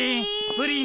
プリン。